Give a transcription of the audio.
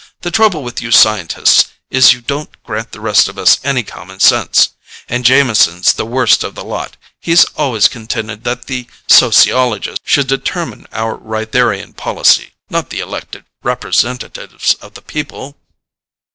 The trouble with you scientists is you don't grant the rest of us any common sense. And Jameson's the worst of the lot. He's always contended that the sociologists should determine our Rytharian policy, not the elected representatives of the people."